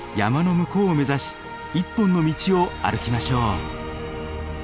向こうを目指し一本の道を歩きましょう。